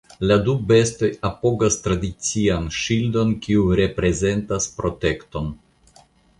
La du bestoj apogas tradician ŝildon kiu reprezentas "protekton".